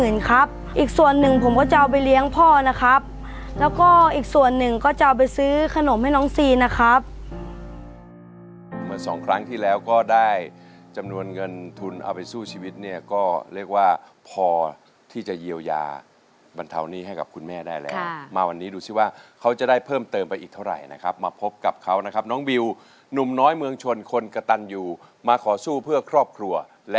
อีกส่วนหนึ่งผมก็จะเอาไปเลี้ยงพ่อนะครับแล้วก็อีกส่วนหนึ่งก็จะเอาไปซื้อขนมให้น้องซีนะครับเมื่อสองครั้งที่แล้วก็ได้จำนวนเงินทุนเอาไปสู้ชีวิตเนี่ยก็เรียกว่าพอที่จะเยียวยาบรรเทานี้ให้กับคุณแม่ได้แล้วมาวันนี้ดูสิว่าเขาจะได้เพิ่มเติมไปอีกเท่าไหร่นะครับมาพบกับเขานะครับน้องบิวหนุ่มน้อยเมืองชนคนกระตันอยู่มาขอสู้เพื่อครอบครัวและ